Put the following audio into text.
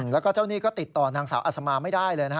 แล้วก็เจ้าหนี้ก็ติดต่อนางสาวอัศมาไม่ได้เลยนะฮะ